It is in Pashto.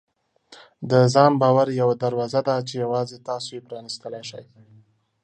د ځان باور یوه دروازه ده چې یوازې تاسو یې پرانیستلی شئ.